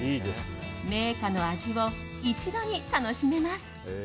銘菓の味を一度に楽しめます。